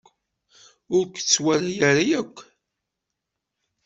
Ur t-tawala ara yakk.